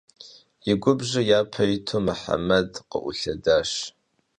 И губжьыр япэ иту Мухьэмэд къыӏулъэдащ.